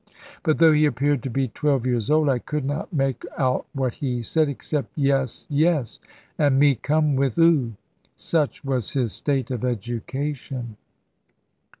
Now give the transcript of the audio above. But though he appeared to be twelve years old, I could not make out what he said, except "Yes, yes;" and "me come with oo." Such was his state of education!